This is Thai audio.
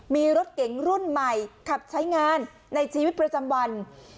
มีรถเก๋งรุ่นใหม่ขับใช้งานในชีวิตประจำวัน